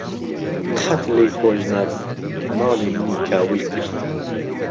قەت لێی خۆش نابم، ماڵی منی کاول کرد.